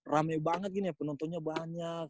rame banget gini ya penontonnya banyak